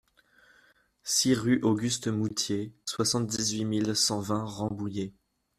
six rue Auguste Moutié, soixante-dix-huit mille cent vingt Rambouillet